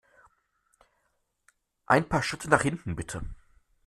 Ein paar Schritte nach hinten, bitte!